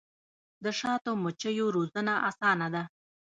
د شاتو مچیو روزنه اسانه ده؟